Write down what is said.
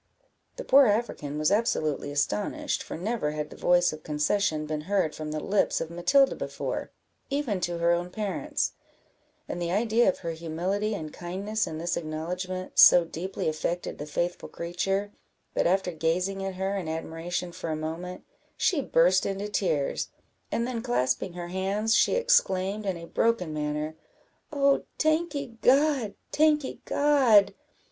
The poor African was absolutely astonished, for never had the voice of concession been heard from the lips of Matilda before, even to her own parents; and the idea of her humility and kindness in this acknowledgment so deeply affected the faithful creature, that, after gazing at her in admiration for a moment, she burst into tears, and then clasping her hands, she exclaimed, in a broken manner "Oh, tankee God! tankee God!